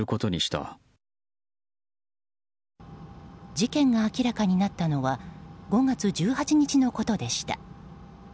事件が明らかになったのは５月１８日のことでした。